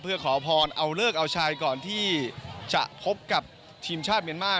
เพื่อขอพรเอาเลิกเอาชายก่อนที่จะพบกับทีมชาติเมียนมาร์